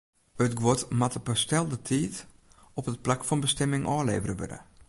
It guod moat op 'e stelde tiid op it plak fan bestimming ôflevere wurde.